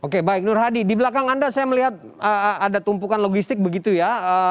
oke baik nur hadi di belakang anda saya melihat ada tumpukan logistik begitu ya